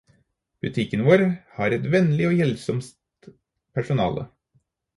Butikken vår har et vennlig og hjelpsomt personale.